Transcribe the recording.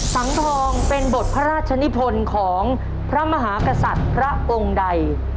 สังทองเป็นบทพระราชนิพลของพระมหากษัตริย์พระองค์ใด